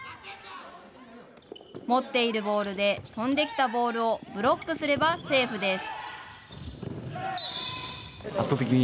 持っているボールで飛んできたボールをブロックすればセーフです。